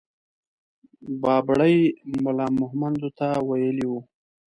بابړي ملا مهمندو ته ويلي وو.